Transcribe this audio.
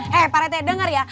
hei pak rt denger ya